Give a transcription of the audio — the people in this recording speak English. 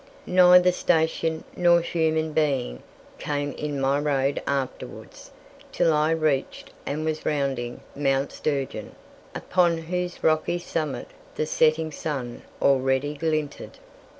Neither station nor human being came in my road afterwards till I reached and was rounding Mount Sturgeon, upon whose rocky summit the setting sun already glinted.